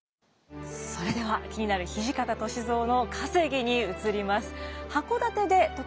それでは気になる土方歳三の稼ぎに移ります。